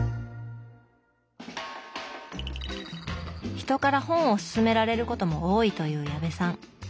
人から本をすすめられることも多いという矢部さん。